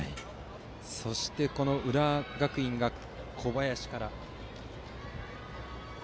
そして浦和学院が小林から。